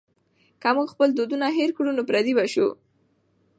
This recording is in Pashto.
که موږ خپل دودونه هېر کړو نو پردي به شو.